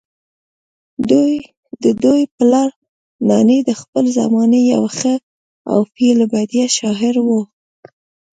ددوي پلار نانے د خپلې زمانې يو ښۀ او في البديهه شاعر وو